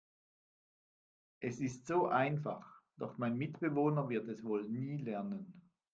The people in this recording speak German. Es ist so einfach, doch mein Mitbewohner wird es wohl nie lernen.